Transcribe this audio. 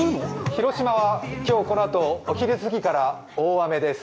広島は今日このあとお昼過ぎから大雨です。